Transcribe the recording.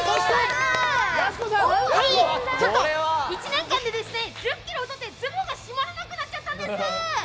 １年間で１０ｋｇ太ってズボンが閉まらなくなっちゃったんです！